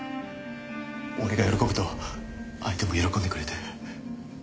俺が喜ぶと相手も喜んでくれて。